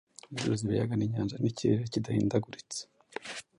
inzuzi, ibiyaga n’inyanja n’ikirere kidahindaguritse,